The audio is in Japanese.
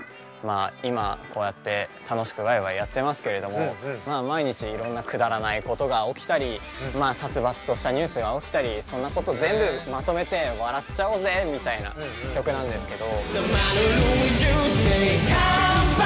今こうやって楽しくわいわいやってますけれどもまあ毎日いろんなくだらないことが起きたり殺伐としたニュースが起きたりそんなこと全部まとめて笑っちゃおうぜみたいな曲なんですけど。